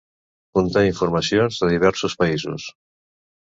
Conté informacions de diversos països.